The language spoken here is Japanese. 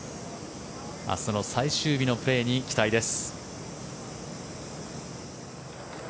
明日の最終日のプレーに期待です。